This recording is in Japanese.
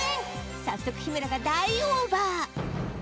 早速日村が大オーバー！